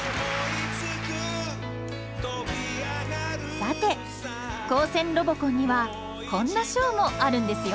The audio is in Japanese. さて高専ロボコンにはこんな賞もあるんですよ！